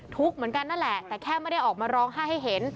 ทุกข์เหมือนกันนั่นแหละแต่แค่ไม่ได้ออกมาร้องไห้ให้เห็น